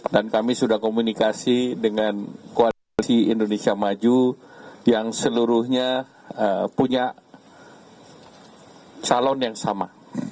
dan kami sudah komunikasi dengan koalisi indonesia maju yang seluruhnya punya calon yang sama